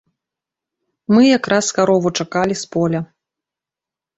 Мы якраз карову чакалі з поля.